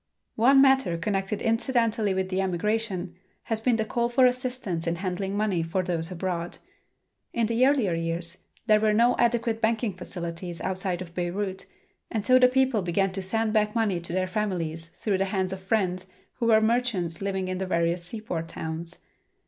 One matter connected incidentally with the emigration has been the call for assistance in handling money for those abroad. In the earlier years there were no adequate banking facilities outside of Beirut and so the people began to send back money to their families through the hands of friends who were merchants living in the various seaport towns.